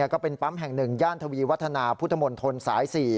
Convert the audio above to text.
ก็เป็นปั๊มแห่ง๑ย่านทวีวัฒนาพุทธมนตรสาย๔